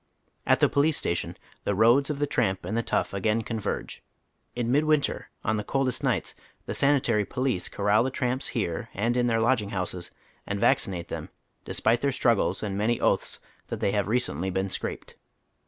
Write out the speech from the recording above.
At the police station the roads of the tramp and the tough again converge. In mid winter, on the coldest nights, the sani tary police corral the tramps here and in their lodging honses and vaccinate them, despite their struggles and many oaths that they have recently been "scraped."